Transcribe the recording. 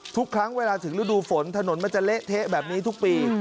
ทุกครั้งเวลาถึงฤดูฝนถนนมันจะเละเทะแบบนี้ทุกปี